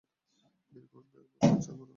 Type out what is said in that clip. দেরি কোরো না।